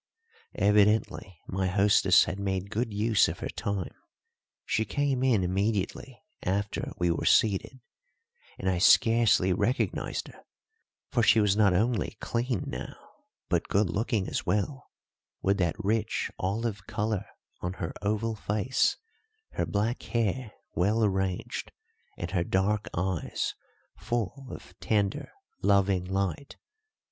Evidently my hostess had made good use of her time. She came in immediately after we were seated, and I scarcely recognized her; for she was not only clean now, but good looking as well, with that rich olive colour on her oval face, her black hair well arranged, and her dark eyes full of tender, loving light.